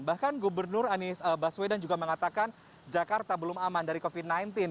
bahkan gubernur anies baswedan juga mengatakan jakarta belum aman dari covid sembilan belas